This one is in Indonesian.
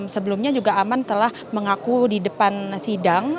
sebelumnya juga aman telah mengaku di depan sidang